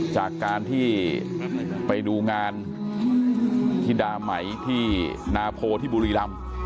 จากการที่ไปดูงานธิดาไหมที่นาโพที่บุรีรำ